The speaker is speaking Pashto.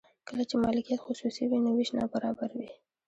کله چې مالکیت خصوصي وي نو ویش نابرابر وي.